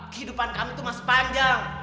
kehidupan kami itu masih panjang